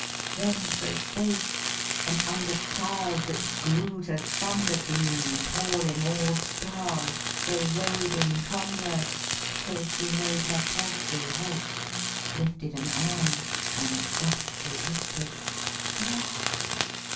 Then for a space, and under cloud that grew To thunder gloom palling all stars, they rode In converse till she made her palfrey halt, Lifted an arm, and softly whisper'd, 'There.'